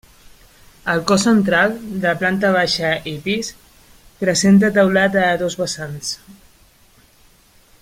El cos central, de planta baixa i pis presenta teulat a dos vessants.